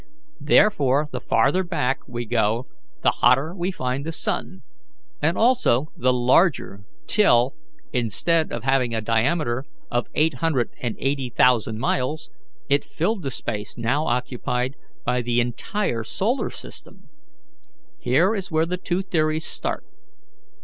Therefore the farther back we go the hotter we find the sun, and also the larger, till, instead of having a diameter of eight hundred and eighty thousand miles, it filled the space now occupied by the entire solar system. Here is where the two theories start.